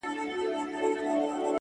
هغه قبرو ته ورځم’